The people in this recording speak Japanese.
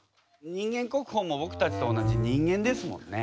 人間国宝もぼくたちと同じ人間ですもんね。